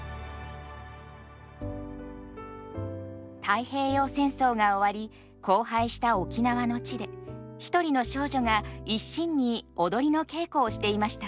太平洋戦争が終わり荒廃した沖縄の地で一人の少女が一心に踊りの稽古をしていました。